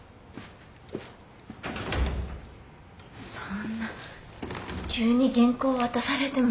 そんな急に原稿を渡されても。